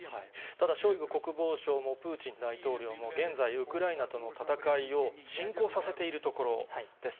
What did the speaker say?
ただショイグ国防相もプーチン大統領も、現在、ウクライナとの戦いを進行させているところです。